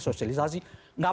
terima kasih ya